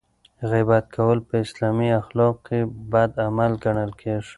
غیبت کول په اسلامي اخلاقو کې بد عمل ګڼل کیږي.